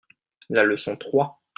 la leçon trois.